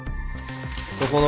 そこの。